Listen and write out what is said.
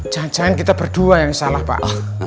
jangan jangan kita berdua yang salah pak